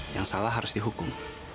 yang salah harus dihukum